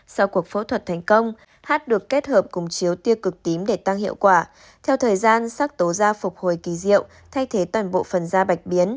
sau cuộc phẫu thuật thành công h được kết hợp cùng chiếu tia cực tím để tăng hiệu quả theo thời gian sắc tố da phục hồi kỳ diệu thay thế toàn bộ phần da bạch biến